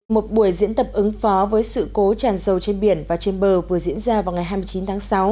một buổi diễn tập ứng phó với sự cố tràn dầu trên biển và trên bờ vừa diễn ra vào ngày hai mươi chín tháng sáu